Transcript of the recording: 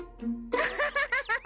ハハハハ！